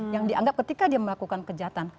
yang dianggap ketika dia melakukan kejahatan